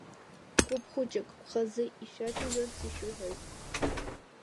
Гәыԥ хәыҷык хазы ишәацәажәарц ишәыҳәоит…